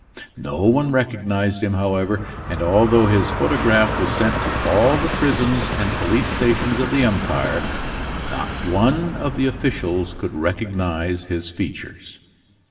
No one recognized him, however, and although his photograph was sent to all the prisons and police stations of the empire, not one of the officials could recognize his features.